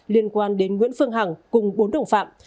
liên quan đến nguyễn phương hằng cùng bốn đồng phạm